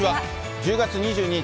１０月２２日